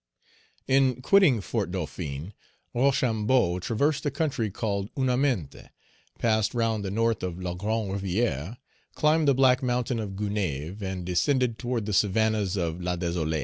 In quitting Fort Dauphin, Rochambeau traversed the country called Ouanaminthe, passed round the north of La Grande Rivière, climbed the black mountain of Gonaïves, and descended toward the savannas of La Desolée.